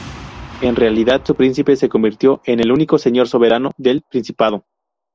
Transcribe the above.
En realidad, su príncipe se convirtió en el único señor soberano del principado.